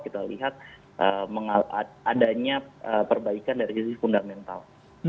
mereka mengadanya perbaikan dari sisi fundamental